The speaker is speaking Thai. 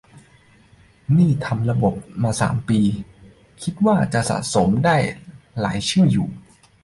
นี่ทำระบบมาสามปี คิดว่าน่าจะสะสมได้หลายชื่ออยู่